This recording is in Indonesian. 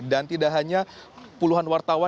dan tidak hanya puluhan wartawan